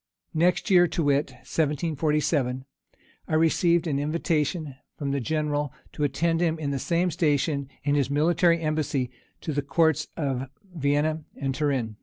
Next year, to wit, 1747, I received an invitation from the general to attend him in the same station in his military embassy to the courts of Vienna and Turin.